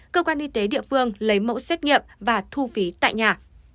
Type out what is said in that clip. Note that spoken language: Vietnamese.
cơ quan y tế địa phương lấy mẫu xét nghiệm và thu phí tại nhà